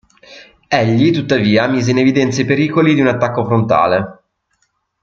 Egli tuttavia mise in evidenza i pericoli di un attacco frontale.